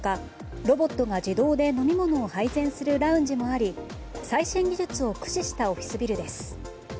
ロボットが自動で飲み物を配膳するラウンジもあり最新技術を駆使したオフィスビルです。